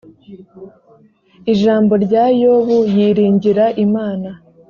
ijambo rya yobu yiringira imana